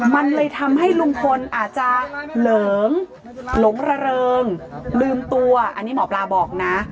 มันเลยทำให้ลุงพลอาจจะเหลิงหลงระเริงลืมตัวอันนี้หมอปลาบอกนะ